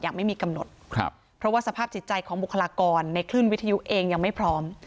ไม่มีกำหนดครับเพราะว่าสภาพจิตใจของบุคลากรในคลื่นวิทยุเองยังไม่พร้อม